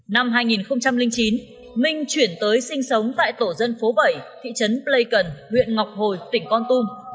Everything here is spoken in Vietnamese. năm hai nghìn chín minh chuyển tới sinh sống tại tổ dân phố bảy thị trấn pleikon huyện ngọc hồi tỉnh con tum